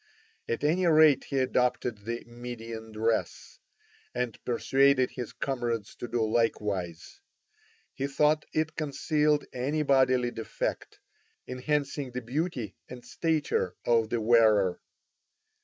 At any rate he adopted the Median dress, and persuaded his comrades to do likewise; he thought it concealed any bodily defect, enhancing the beauty and stature of the wearer.